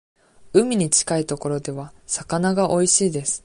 海に近いところでは、魚がおいしいです。